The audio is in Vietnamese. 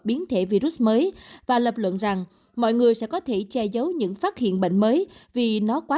biến thể virus mới và lập luận rằng mọi người sẽ có thể che giấu những phát hiện bệnh mới vì nó quá